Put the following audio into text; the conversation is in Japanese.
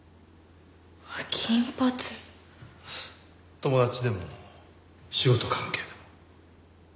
友達でも仕事関係でも。